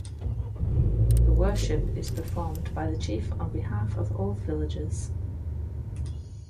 The worship is performed by the chief on behalf of all the villagers.